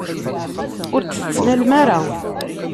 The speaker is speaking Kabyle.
Ur t-tettnalem ara.